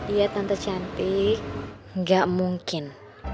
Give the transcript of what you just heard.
iya tante cantik gak mungkin